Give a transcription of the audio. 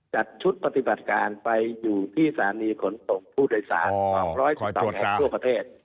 จัดชุดปฏิบัติการไปอยู่ที่สานีขนตรงผู้โดยสารของร้อยสถานการณ์ทั่วประเทศ